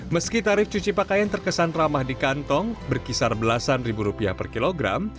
meski tarif cuci pakaian terkesan ramah di kantong berkisar belasan ribu rupiah per kilogram